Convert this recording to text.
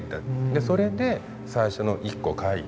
それで最初の１個描いた。